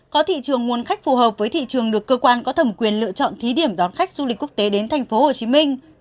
có thị trường nguồn khách phù hợp với thị trường được cơ quan có thẩm quyền lựa chọn thí điểm đón khách du lịch quốc tế đến tp hcm